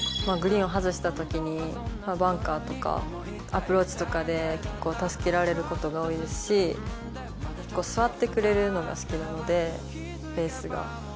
グリーンを外したときにバンカーとかアプローチとかで結構助けられることが多いですし座ってくれるのが好きなのでフェースが。